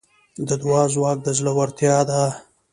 د دعا ځواک د زړه زړورتیا ده.